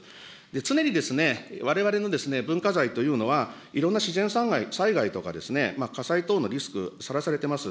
常にわれわれの文化財というのは、いろんな自然災害とか火災等のリスク、さらされています。